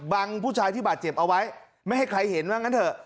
ผู้ชายที่บาดเจ็บเอาไว้ไม่ให้ใครเห็นว่างั้นเถอะ